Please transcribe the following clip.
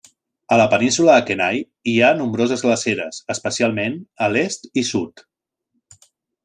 A la península de Kenai hi ha nombroses glaceres, especialment a l'est i sud.